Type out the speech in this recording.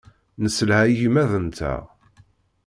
Nesselha igmaḍ-nteɣ.